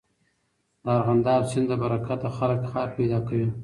د ارغنداب سیند له برکته خلک کار پيدا کوي